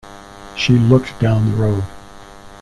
She looked down the road.